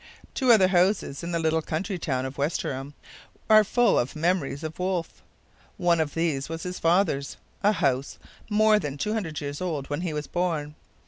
Two other houses in the little country town of Westerham are full of memories of Wolfe. One of these was his father's, a house more than two hundred years old when he was born.